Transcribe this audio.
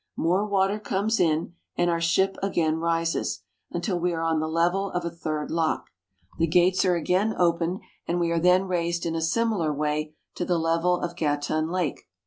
More water comes in and our ship again rises, until we are on the level of a third lock. The gates are again opened and we are then raised in a similar way to the level of Gatun Lake.